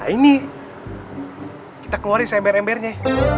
nah ini kita keluarin seember embernya